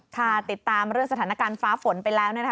ค่ะติดตามเรื่องสถานการณ์ฟ้าฝนไปแล้ว